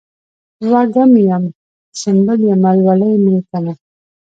وږم یم ، سنبل یمه لولی مې کنه